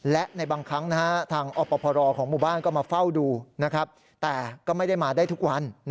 และในบางครั้งทางอพรของหมู่บ้านก็มาเฝ้าดูแต่ก็ไม่ได้มาได้ทุกวัน